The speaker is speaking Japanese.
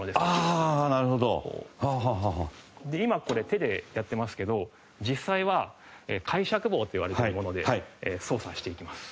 で今これ手でやってますけど実際は介錯棒といわれているもので操作していきます。